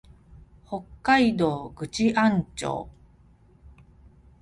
北海道倶知安町